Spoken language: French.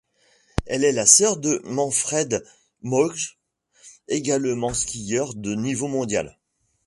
Elle est la soeur de Manfred Mölgg, également skieur de niveau mondial.